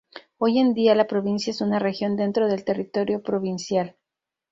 Hoy en día la provincia es una región dentro del territorio provincial.